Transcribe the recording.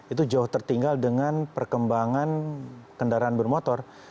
itu jauh tertinggal dengan perkembangan kendaraan bermotor